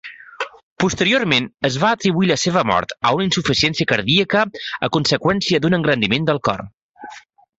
Posteriorment, es va atribuir la seva mort a una insuficiència cardíaca a conseqüència d'un engrandiment del cor.